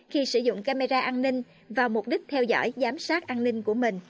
khi sử dụng camera an ninh và mục đích theo dõi giám sát an ninh của mình